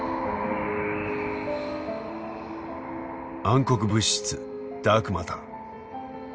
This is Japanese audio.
暗黒物質ダークマター。